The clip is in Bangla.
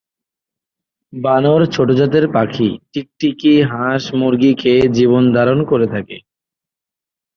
বানর, ছোট জাতের পাখি, টিকটিকি, হাস-মুরগী খেয়ে জীবনধারণ করে থাকে।